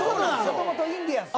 もともとインディアンス。